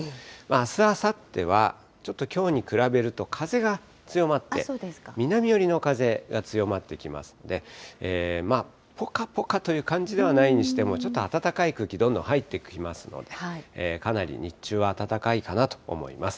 あす、あさってはちょっときょうに比べると、風が強まって、南寄りの風が強まってきますので、ぽかぽかという感じではないにしても、ちょっと暖かい空気、どんどん入ってきますので、かなり日中は暖かいかなと思います。